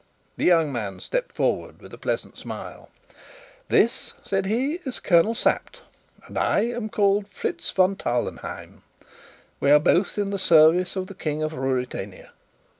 The young man stepped forward with a pleasant smile. "This," said he, "is Colonel Sapt, and I am called Fritz von Tarlenheim: we are both in the service of the King of Ruritania."